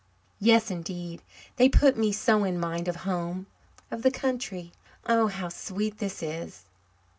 "Yes, indeed; they put me so in mind of home of the country. Oh, how sweet this is!"